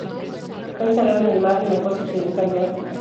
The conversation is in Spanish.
Fue enterrado en el mar en la costa occidental de África.